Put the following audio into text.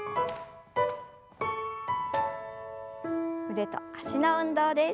腕と脚の運動です。